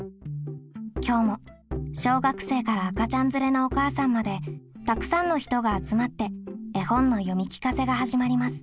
今日も小学生から赤ちゃん連れのお母さんまでたくさんの人が集まって絵本の読み聞かせが始まります。